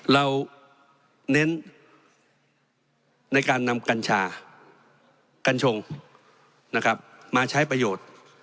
เราเน้นในการนำกัญชากัญชงนะครับมาใช้ประโยชน์